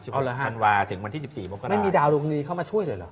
ชีวิตธันวาถึงวันที่๑๔มกราศีไม่มีดาวรุงดีเข้ามาช่วยเลยเหรอ